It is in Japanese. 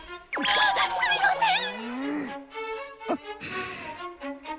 わっすみません！